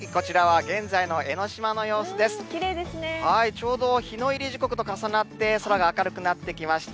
ちょうど日の入り時刻と重なって、空が明るくなってきました。